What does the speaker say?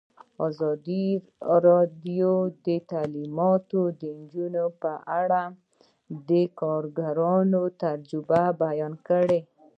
ازادي راډیو د تعلیمات د نجونو لپاره په اړه د کارګرانو تجربې بیان کړي.